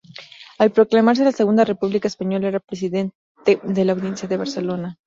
Al proclamarse la Segunda República Española era presidente de la Audiencia de Barcelona.